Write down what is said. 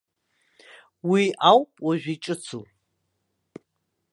Уи ауп уажә иҿыцу.